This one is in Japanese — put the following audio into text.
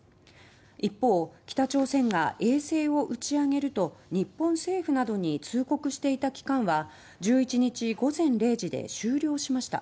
一方、北朝鮮が衛星を打ち上げると日本政府などに通告していた期間は１１日午前０時で終了しました。